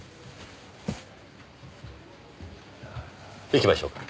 行きましょうか。